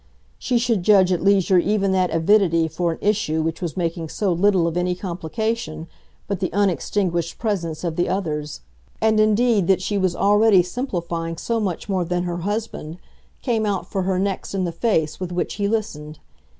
She should judge at leisure even that avidity for an issue which was making so little of any complication but the unextinguished presence of the others; and indeed that she was already simplifying so much more than her husband came out for her next in the face with which he listened.